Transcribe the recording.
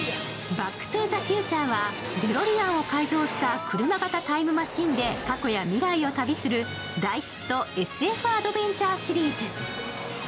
「バック・トゥ・ザ・フューチャー」はデロリアンを改造した車型タイムマシンで過去や未来を旅する大ヒットＳＦアドベンチャーシリーズ。